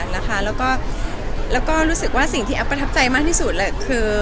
แล้วก็รู้สึกว่าสิ่งที่แอฟประทับใจมากที่สุดแหละคือ